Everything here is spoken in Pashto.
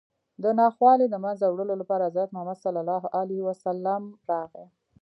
د ناخوالو د منځه وړلو لپاره حضرت محمد صلی الله علیه وسلم راغی